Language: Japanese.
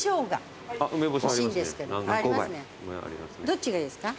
どっちがいいですか？